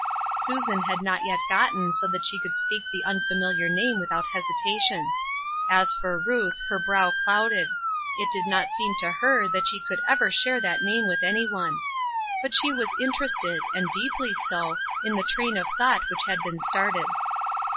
Susan had not yet gotten so that she could speak the unfamil iar name without hesitation. As for Ruth, her brow clouded ; it did not seem to her that she could ever share that name with anyone. But she was interested — and deeply so — in the train of thought which had been started.